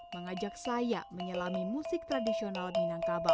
mengajak saya menyelami musik tradisional minangkabau